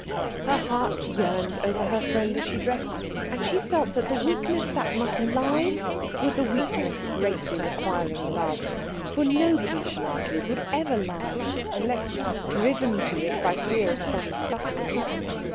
Her heart yearned over her friend as she dressed, and she felt that the weakness that must lie was a weakness greatly requiring love. For nobody, she argued, would ever lie unless driven to it by fear of some suffering.